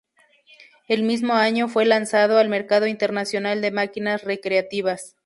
El mismo año fue lanzado al mercado internacional de máquinas recreativas.